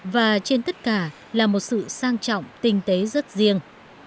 và trên tất cả là một sự sang trọng tinh tế rất riêng